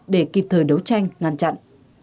để kịp thời đấu tranh ngăn chặn